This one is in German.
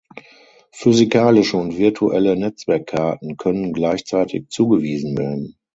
Physikalische und virtuelle Netzwerkkarten können gleichzeitig zugewiesen werden.